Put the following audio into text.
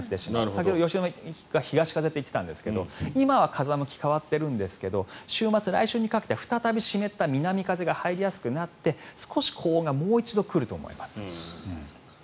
先ほど良純さんが東風と言っていたんですが今は風向きが変わっているんですが週末、来週にかけて再び湿った南風が入りやすくなって少し高温がもう一度来ると思います。